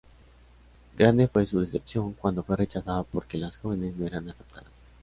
Grande fue su decepción cuando fue rechazada porque las jóvenes no eran aceptadas.